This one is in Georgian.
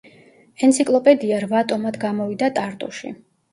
ენციკლოპედია რვა ტომად გამოვიდა ტარტუში.